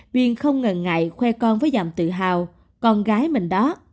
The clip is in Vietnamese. viên không ngần ngại khoe con với dạng tự hào con gái mình đó